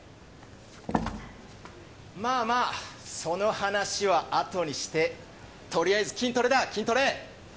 まあまあその話はあとにしてとりあえず筋トレだ筋トレ！